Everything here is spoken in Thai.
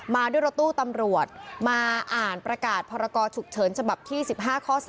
มาด้วยรถตู้ตำรวจมาอ่านประกาศพรกรฉุกเฉินฉบับที่๑๕ข้อ๓